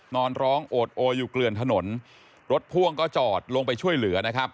นอนร้องโอดโออยู่เกลือนถนนรถพ่วงก็จอดลงไปช่วยเหลือนะครับ